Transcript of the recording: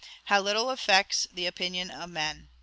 How little affects the opinions of men!